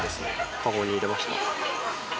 かごに入れました。